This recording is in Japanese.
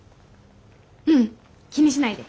ううん気にしないで。